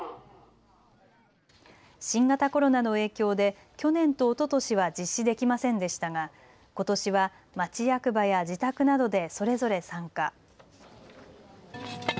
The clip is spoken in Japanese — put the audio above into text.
新型コロナの影響で去年とおととしは実施できませんでしたがことしは町役場や自宅などでそれぞれ参加。